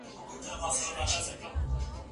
ټول شموله زده کړه د عدالت نښه ده.